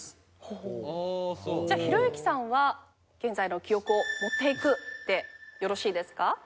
じゃあひろゆきさんは現在の記憶を持っていくでよろしいですか？